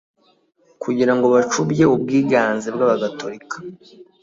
Kugira ngo bacubye ubwiganze bw’abagatorika